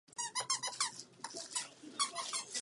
Tento bod je ukončen.